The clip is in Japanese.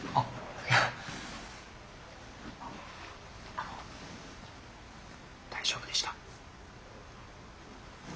あの大丈夫でした？